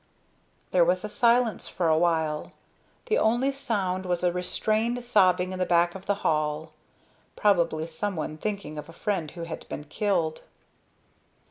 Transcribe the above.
There was silence for a while. The only sound was a restrained sobbing in the back of the hall probably someone thinking of a friend who had been killed.